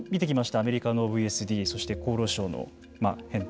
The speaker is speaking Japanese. アメリカのＶＳＤそして、厚労省の返答